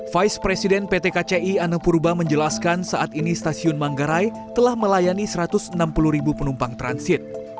vice president pt kci anang purba menjelaskan saat ini stasiun manggarai telah melayani satu ratus enam puluh ribu penumpang transit